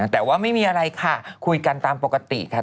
แต่ว่าไม่มีอะไรค่ะคุยกันตามปกติค่ะ